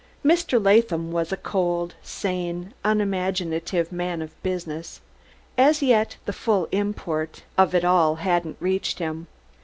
Mr. Latham was a cold, sane, unimaginative man of business. As yet the full import of it all hadn't reached him.